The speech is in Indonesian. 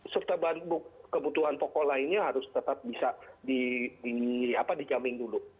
serta kebutuhan pokok lainnya harus tetap bisa dijamin dulu